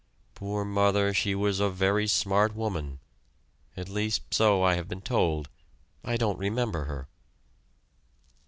Poor mother, she was a very smart woman at least so I have been told I don't remember her."